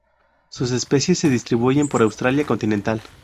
Sus especies se distribuyen por Australia continental.